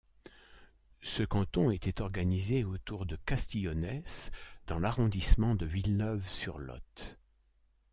Ce canton était organisé autour de Castillonnès dans l'arrondissement de Villeneuve-sur-Lot.